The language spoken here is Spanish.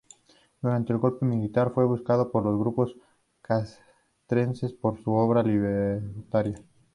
Durante el Golpe Militar fue buscado por los grupos castrenses por su obra libertaria.